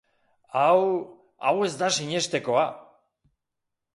Hau... hau ez da sinestekoa!